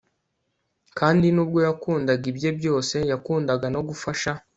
kandi nubwo yakundaga ibye byose yakundaga no gufasha